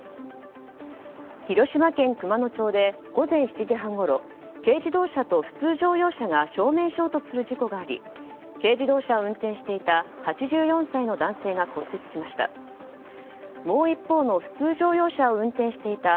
広島県熊野町で午前７時半ごろ軽自動車と普通乗用車が正面衝突する事故があり軽自動車を運転していた８４歳の男性が骨折しました。